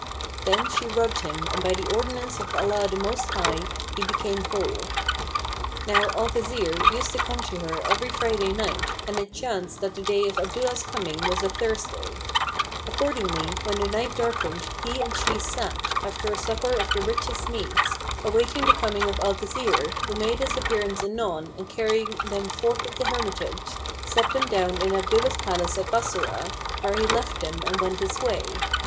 Then she rubbed him and by the ordinance of Allah the Most High, he became whole. Now Al Khizr used to come to her every Friday night, and it chanced that the day of Abdullah's coming was a Thursday.[FN#554] Accordingly, when the night darkened he and she sat, after a supper of the richest meats, awaiting the coming of Al Khizr, who made his appearance anon and carrying them forth of the hermitage, set them down in Abdullah's palace at Bassorah, where he left them and went his way.